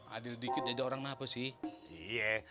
adil dikit jadi orang nape sih